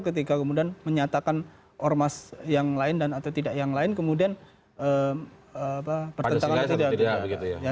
ketika kemudian menyatakan ormas yang lain dan atau tidak yang lain kemudian bertentangan tidak